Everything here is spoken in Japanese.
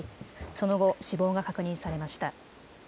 その後、死亡が確認されました。